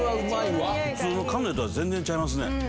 普通のカヌレとは全然ちゃいますね。